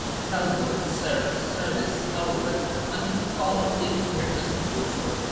Southbound services however only call if requested to do so.